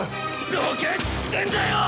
どけっつってんだよ！